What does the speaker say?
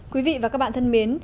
quý vị và các bạn thân mến